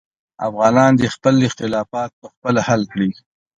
افغانان دې خپل اختلافات پخپله حل کړي.